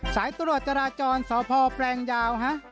สายตรวจจราจรสพแปลงยาวฮะ